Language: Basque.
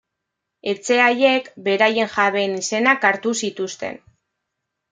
Etxe haiek, beraien jabeen izenak hartu zituzten.